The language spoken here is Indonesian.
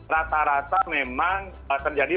rata rata memang terjadi